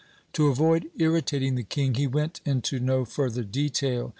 To avoid irritating the king, he went into no further detail.